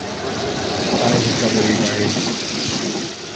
Stein has never remarried.